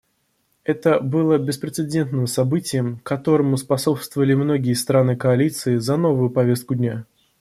Это было беспрецедентным событием, которому способствовали многие страны Коалиции за новую повестку дня.